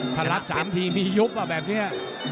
พระรัชสามพีมียุบอ่ะแบบนี้